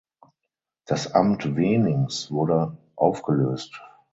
Das "Amt Wenings" wurde aufgelöst.